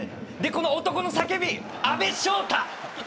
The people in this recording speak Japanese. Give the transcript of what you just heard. この男の叫び、阿部翔太。